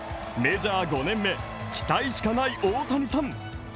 メジャー５年目、期待しかない大谷さん。